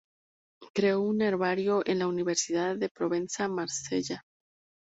Creó un herbario en la Universidad de Provenza, Marsella.